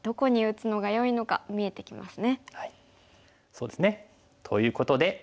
そうですね。ということで。